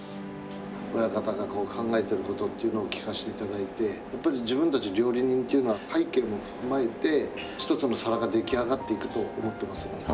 親方が考えている事っていうのを聞かせて頂いてやっぱり自分たち料理人っていうのは背景もふまえて一つの皿が出来上がっていくと思っていますので。